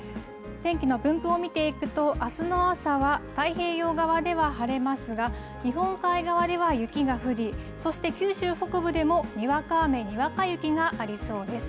天気の分布を見ていくと、あすの朝は太平洋側では晴れますが、日本海側では雪が降り、そして九州北部でもにわか雨、にわか雪がありそうです。